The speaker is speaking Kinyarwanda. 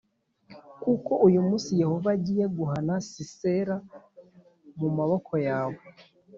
kuko uyu munsi Yehova agiye guhana Sisera mu maboko yawe